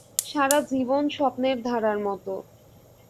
সারা জীবন স্বপ্নের ধারার মত।